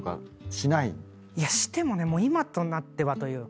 してもね今となってはというか。